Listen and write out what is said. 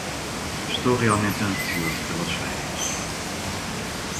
Estou realmente ansioso pelas férias.